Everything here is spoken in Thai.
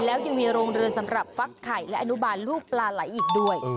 แล้วยังมีโรงเรือนสำหรับฟักไข่และอนุบาลลูกปลาไหลอีกด้วย